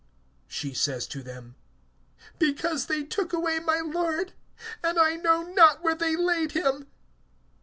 She says to them: Because they took away my Lord, and I know not where they laid him.